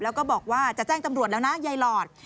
แล้วก็บอกว่าจะแจ้งตำรวจแล้วนะยายหลอด